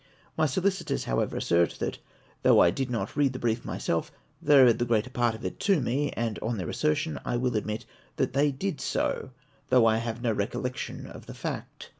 My solicitors, however, assert, that though I did not read the brief myself, they read tlie greater part of it to me ; and on their assertion I will admit that they did so, though I have no recollection of the fact.